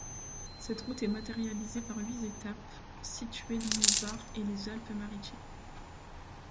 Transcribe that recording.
Cette route est matérialisée par huit étapes situées dans le Var et les Alpes-Maritimes.